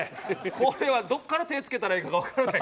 これはどこから手つけたらええかがわからない。